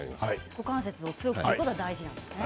股関節を強くすることが大事なんですね。